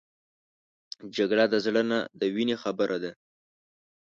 جګړه د زړه نه د وینې خبره ده